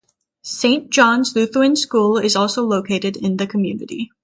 Saint John's Lutheran school is also located in the community.